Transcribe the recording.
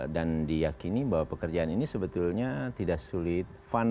dan diyakini bahwa pekerjaan ini sebetulnya tidak sulit fun